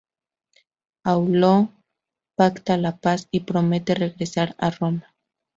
Aulo pacta la paz y promete regresar a Roma.